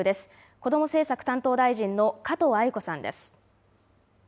こども政策担当大臣の加藤鮎子さんです。